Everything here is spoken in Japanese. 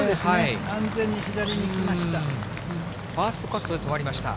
安全に左にいきました。